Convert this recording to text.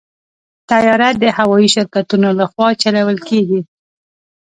طیاره د هوايي شرکتونو لخوا چلول کېږي.